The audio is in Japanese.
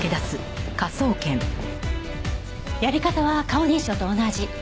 やり方は顔認証と同じ。